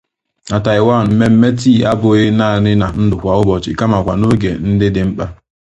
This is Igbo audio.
Na Taiwan, mmemme tii abụghị naanị na ndụ kwa ụbọchị kamakwa n'oge ndị dị mkpa.